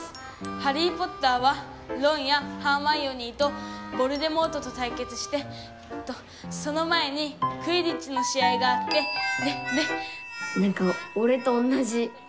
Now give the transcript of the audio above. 『ハリー・ポッター』はロンやハーマイオニーとヴォルデモートとたいけつしてえっとその前にクィディッチの試合があってでで」。